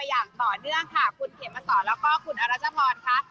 อย่างต่อเนื่องค่ะคุณเขมสอนแล้วก็คุณอรัชพรค่ะ